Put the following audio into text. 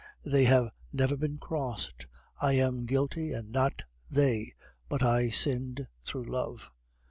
They have never been crossed. I am guilty, and not they but I sinned through love.